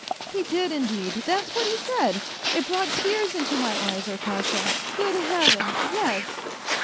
He did, indeed, that's what he said. It brought tears into my eyes, Arkasha. Good Heavens, yes